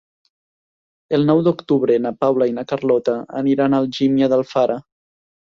El nou d'octubre na Paula i na Carlota aniran a Algímia d'Alfara.